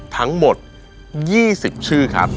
ทั้งหมด๒๐ชื่อครับ